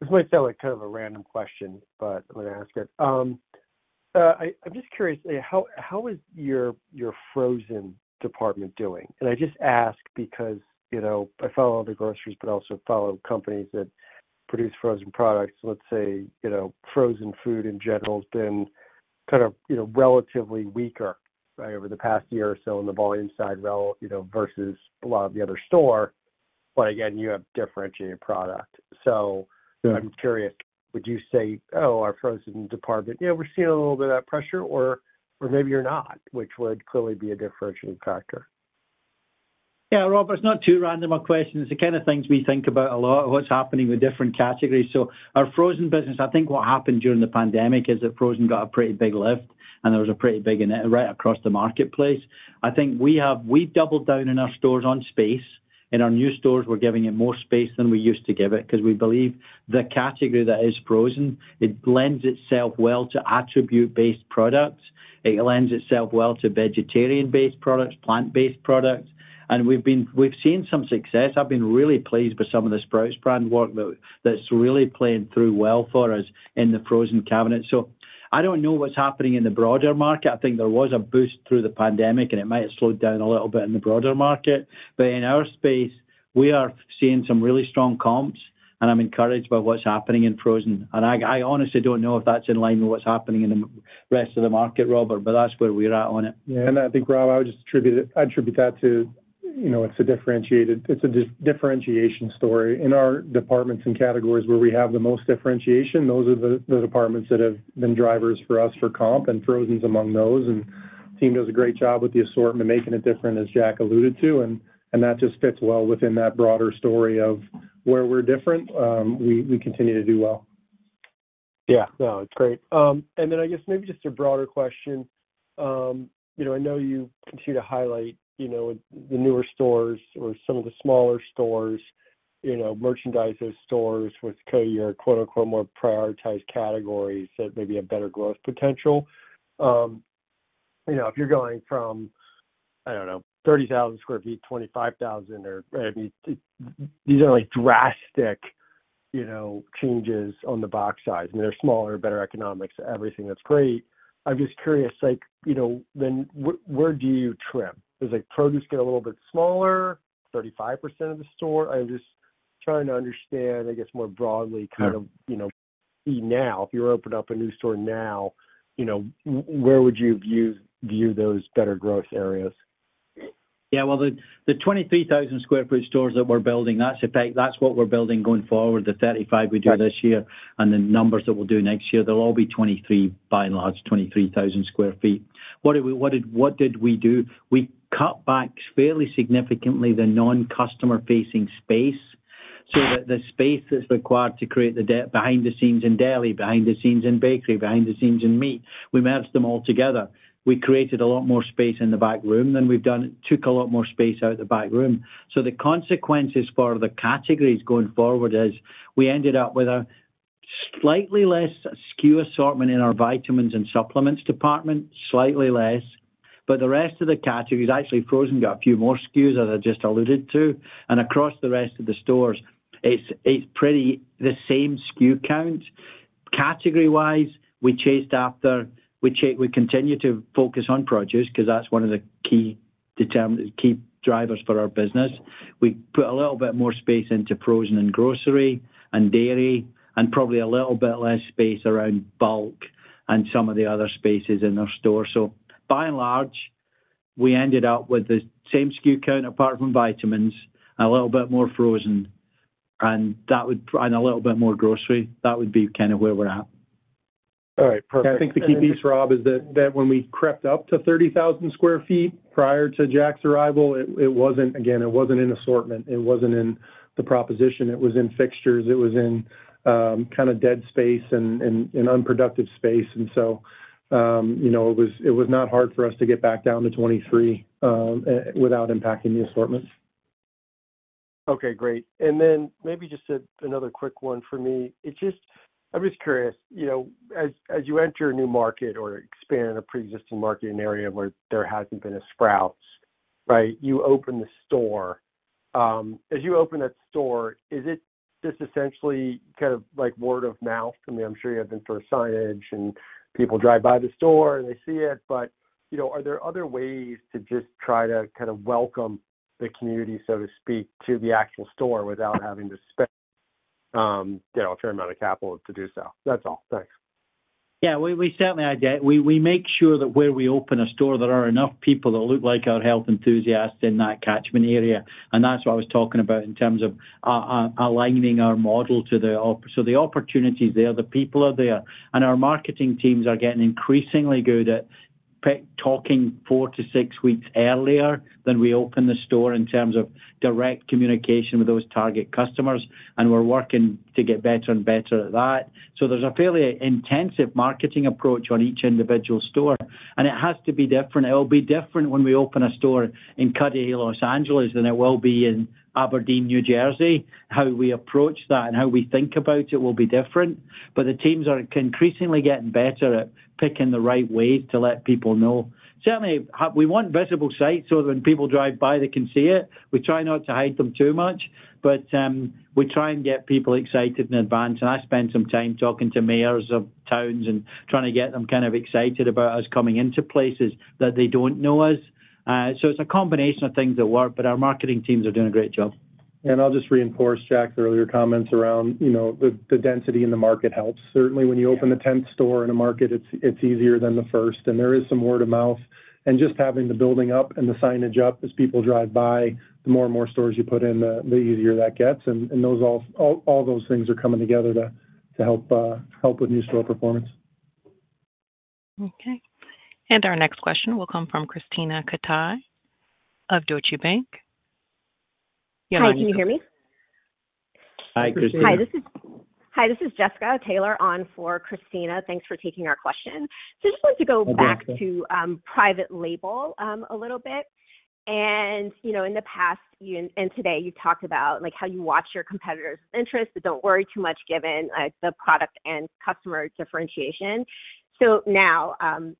This might sound like kind of a random question, but I'm gonna ask it. I'm just curious, how is your frozen department doing? And I just ask because, you know, I follow other groceries, but I also follow companies that produce frozen products. Let's say, you know, frozen food in general has been kind of, you know, relatively weaker, right, over the past year or so on the volume side, well, you know, versus a lot of the other store. But again, you have differentiated product. So- Yeah. I'm curious, would you say, "Oh, our frozen department, yeah, we're seeing a little bit of that pressure," or, or maybe you're not, which would clearly be a differentiating factor? Yeah, Robert, it's not too random a question. It's the kind of things we think about a lot, what's happening with different categories. So our frozen business, I think what happened during the pandemic is that frozen got a pretty big lift, and there was a pretty big in it right across the marketplace. I think we've doubled down in our stores on space. In our new stores, we're giving it more space than we used to give it, because we believe the category that is frozen, it lends itself well to attribute-based products. It lends itself well to vegetarian-based products, plant-based products, and we've seen some success. I've been really pleased with some of the Sprouts Brand work that, that's really playing through well for us in the frozen cabinet. So I don't know what's happening in the broader market. I think there was a boost through the pandemic, and it might have slowed down a little bit in the broader market. But in our space, we are seeing some really strong comps, and I'm encouraged by what's happening in frozen. And I, I honestly don't know if that's in line with what's happening in the rest of the market, Robert, but that's where we're at on it. Yeah, and I think, Rob, I would just attribute it--attribute that to, you know, it's a differentiated, it's a dis-differentiation story. In our departments and categories where we have the most differentiation, those are the departments that have been drivers for us for comp, and frozen's among those. The team does a great job with the assortment and making it different, as Jack alluded to, and that just fits well within that broader story of where we're different. We continue to do well. Yeah. No, it's great. And then I guess maybe just a broader question. You know, I know you continue to highlight, you know, the newer stores or some of the smaller stores, you know, merchandises stores with your quote, unquote, "more prioritized categories" that maybe have better growth potential. You know, if you're going from, I don't know, 30,000 sq ft, 25,000 or, I mean, these are, like, drastic, you know, changes on the box size, and they're smaller, better economics, everything. That's great. I'm just curious, like, you know, then where do you trim? Does, like, produce get a little bit smaller, 35% of the store? I'm just trying to understand, I guess, more broadly- Sure you know, now, if you were to open up a new store now, you know, where would you view those better growth areas? Yeah, well, the 23,000 sq ft stores that we're building, that's, in fact, what we're building going forward, the 35 we do this year, and the numbers that we'll do next year, they'll all be 23, by and large, 23,000 sq ft. What did we do? We cut back fairly significantly the non-customer-facing space, so that the space that's required to create the behind the scenes in dairy, behind the scenes in bakery, behind the scenes in meat, we merged them all together. We created a lot more space in the back room than we've done. Took a lot more space out of the back room. So the consequences for the categories going forward is we ended up with a slightly less SKU assortment in our vitamins and supplements department, slightly less, but the rest of the categories, actually, frozen got a few more SKUs, as I just alluded to. And across the rest of the stores, it's pretty the same SKU count. Category-wise, we continue to focus on produce because that's one of the key drivers for our business. We put a little bit more space into frozen and grocery and dairy, and probably a little bit less space around bulk and some of the other spaces in our store. So by and large, we ended up with the same SKU count, apart from vitamins, a little bit more frozen, and a little bit more grocery. That would be kind of where we're at. All right, perfect. I think the key piece, Rob, is that when we crept up to 30,000 sq ft prior to Jack's arrival, it wasn't, again, it wasn't in assortment, it wasn't in the proposition, it was in fixtures, it was in kind of dead space and unproductive space. So you know, it was not hard for us to get back down to 23,000 sq ft without impacting the assortments. Okay, great. And then maybe just another quick one for me. It's just... I'm just curious, you know, as you enter a new market or expand a preexisting market in an area where there hasn't been a Sprouts, right? You open the store. As you open that store, is it just essentially kind of like word of mouth? I mean, I'm sure you have the store signage, and people drive by the store, and they see it. But, you know, are there other ways to just try to kind of welcome the community, so to speak, to the actual store without having to spend, you know, a fair amount of capital to do so? That's all. Thanks. Yeah, we certainly make sure that where we open a store, there are enough people that look like our health enthusiasts in that catchment area, and that's what I was talking about in terms of aligning our model to the opportunity. So the opportunity is there, the people are there, and our marketing teams are getting increasingly good at talking four to six weeks earlier than we open the store in terms of direct communication with those target customers, and we're working to get better and better at that. So there's a fairly intensive marketing approach on each individual store, and it has to be different. It'll be different when we open a store in Cudahy, Los Angeles, than it will be in Aberdeen, New Jersey. How we approach that and how we think about it will be different, but the teams are increasingly getting better at picking the right way to let people know. Certainly, we want visible sites so that when people drive by, they can see it. We try not to hide them too much, but we try and get people excited in advance. And I spend some time talking to mayors of towns and trying to get them kind of excited about us coming into places that they don't know us. So it's a combination of things that work, but our marketing teams are doing a great job. I'll just reinforce Jack's earlier comments around, you know, the density in the market helps. Certainly, when you open the tenth store in a market, it's easier than the first, and there is some word of mouth. And just having the building up and the signage up as people drive by, the more and more stores you put in, the easier that gets. And all those things are coming together to help with new store performance. Okay, and our next question will come from Krisztina Katai of Deutsche Bank. Hi, can you hear me? Hi, Krisztina. Hi, this is Jessica Taylor on for Krisztina. Thanks for taking our question. I just wanted to go back- No problem To private label a little bit. You know, in the past, you and, and today, you've talked about, like, how you watch your competitors with interest, but don't worry too much given, like, the product and customer differentiation. So now,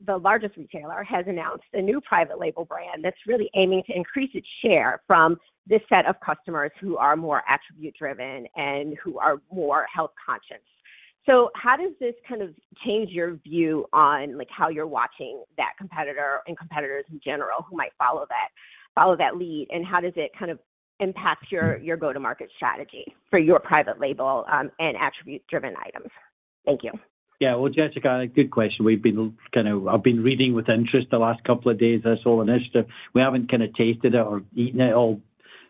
the largest retailer has announced a new private label brand that's really aiming to increase its share from this set of customers who are more attribute-driven and who are more health-conscious. So how does this kind of change your view on, like, how you're watching that competitor and competitors in general, who might follow that, follow that lead? And how does it kind of impact your, your go-to-market strategy for your private label, and attribute-driven items? Thank you. Yeah. Well, Jessica, good question. We've been kind of—I've been reading with interest the last couple of days, this whole initiative. We haven't kind of tasted it or eaten it all.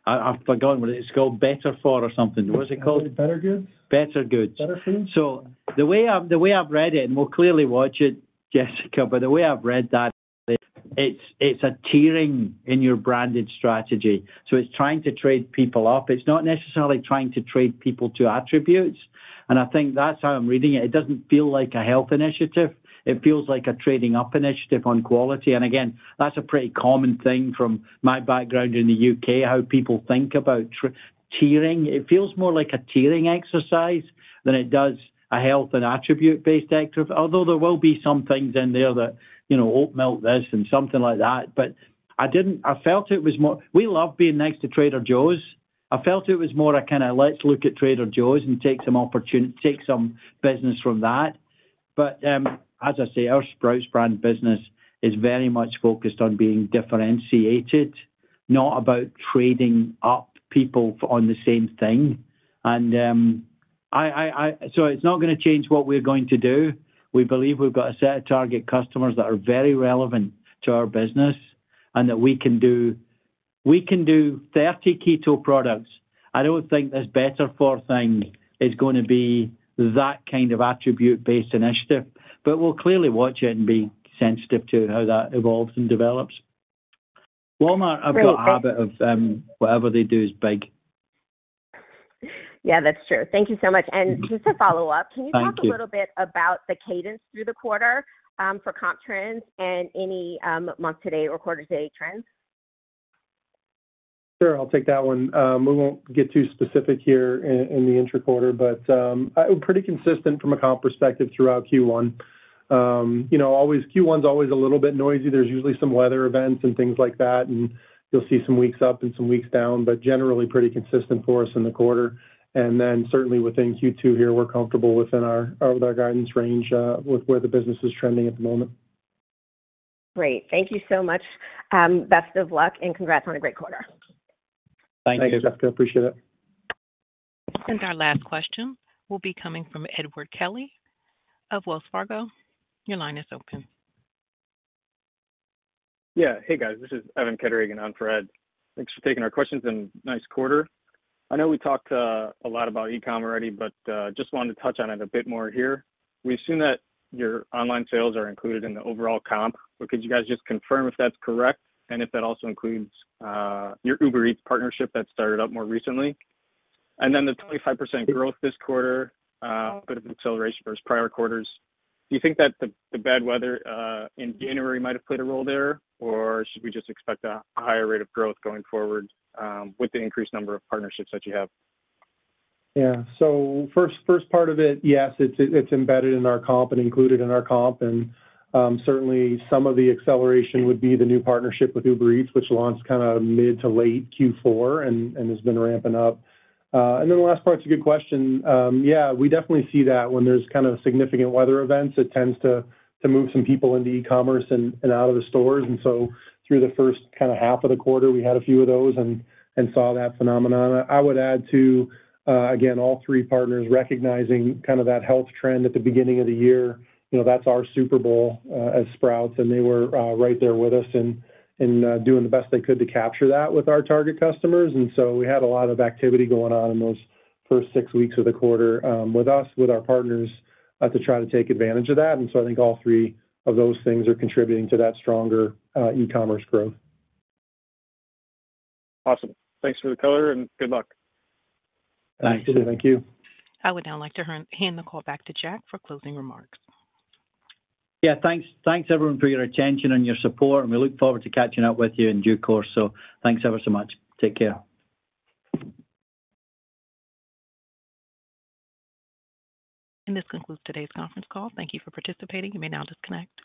I, I've forgotten what it's called, Bettergoods or something. What's it called? Bettergoods? Bettergoods. Better Foods? So the way I've read it, and we'll clearly watch it, Jessica, but the way I've read that. It's a tiering in your branded strategy, so it's trying to trade people up. It's not necessarily trying to trade people to attributes, and I think that's how I'm reading it. It doesn't feel like a health initiative. It feels like a trading up initiative on quality. And again, that's a pretty common thing from my background in the UK, how people think about tiering. It feels more like a tiering exercise than it does a health and attribute-based exercise, although there will be some things in there that, you know, oat milk this and something like that. But I felt it was more. We love being next to Trader Joe's. I felt it was more a kind of, let's look at Trader Joe's and take some opportun-- take some business from that. But, as I say, our Sprouts Brand business is very much focused on being differentiated, not about trading up people on the same thing. And, So it's not gonna change what we're going to do. We believe we've got a set of target customers that are very relevant to our business and that we can do-- we can do 30 keto products. I don't think this Bettergoods thing is gonna be that kind of attribute-based initiative, but we'll clearly watch it and be sensitive to how that evolves and develops. Walmart, I've got a habit of, whatever they do is big. Yeah, that's true. Thank you so much. Just to follow up- Thank you. Can you talk a little bit about the cadence through the quarter, for comp trends and any, month-to-date or quarter-to-date trends? Sure, I'll take that one. We won't get too specific here in the interquarter, but pretty consistent from a comp perspective throughout Q1. You know, always, Q1 is always a little bit noisy. There's usually some weather events and things like that, and you'll see some weeks up and some weeks down, but generally pretty consistent for us in the quarter. And then certainly within Q2 here, we're comfortable within our, with our guidance range, with where the business is trending at the moment. Great. Thank you so much. Best of luck, and congrats on a great quarter. Thank you. Thanks, Jessica. Appreciate it. Our last question will be coming from Edward Kelly of Wells Fargo. Your line is open. Yeah. Hey, guys, this is Evan Ketterhagen on for Ed. Thanks for taking our questions, and nice quarter. I know we talked a lot about e-com already, but just wanted to touch on it a bit more here. We assume that your online sales are included in the overall comp, but could you guys just confirm if that's correct, and if that also includes your Uber Eats partnership that started up more recently? And then the 25% growth this quarter, bit of acceleration versus prior quarters, do you think that the bad weather in January might have played a role there, or should we just expect a higher rate of growth going forward with the increased number of partnerships that you have? Yeah. So first part of it, yes, it's embedded in our comp and included in our comp. And certainly some of the acceleration would be the new partnership with Uber Eats, which launched kind of mid to late Q4 and has been ramping up. And then the last part is a good question. Yeah, we definitely see that when there's kind of significant weather events, it tends to move some people into e-commerce and out of the stores. And so through the first kind of half of the quarter, we had a few of those and saw that phenomenon. I would add, too, again, all three partners recognizing kind of that health trend at the beginning of the year. You know, that's our Super Bowl as Sprouts, and they were right there with us and doing the best they could to capture that with our target customers. And so we had a lot of activity going on in those first six weeks of the quarter, with us, with our partners, to try to take advantage of that. And so I think all three of those things are contributing to that stronger e-commerce growth. Awesome. Thanks for the color, and good luck. Thanks. Thank you. I would now like to hand the call back to Jack for closing remarks. Yeah, thanks. Thanks, everyone, for your attention and your support, and we look forward to catching up with you in due course. So thanks ever so much. Take care. This concludes today's conference call. Thank you for participating. You may now disconnect.